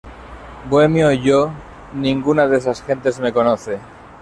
Bohemio, yo: ninguna de esas gentes me conoce.